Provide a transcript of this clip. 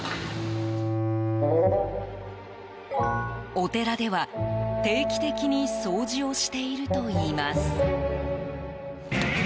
お寺では定期的に掃除をしているといいます。